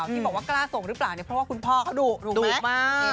ที่บอกว่ากล้าส่งหรือเปล่าเนี่ยเพราะว่าคุณพ่อเขาดุมาก